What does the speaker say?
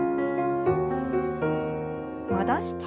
戻して。